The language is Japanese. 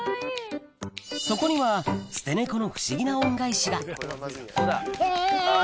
そこには捨てネコの不思議な恩返しがうわ！